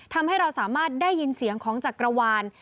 ทำให้เราสามารถได้ยินเสียงของจักรวาล